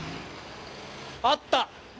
あった！